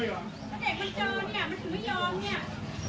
ถ้าเด็กมันเจอเนี่ยมันถึงไม่ยอมเนี่ย